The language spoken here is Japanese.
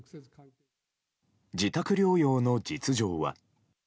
自宅療養の実情は。